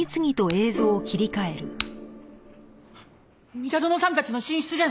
三田園さんたちの寝室じゃない？